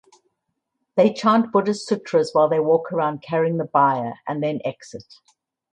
They chant Buddhist sutras while they walk around carrying the bier and then exit.